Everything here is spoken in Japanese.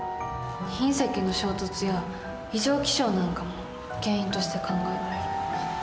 隕石の衝突や異常気象なんかも原因として考えられる。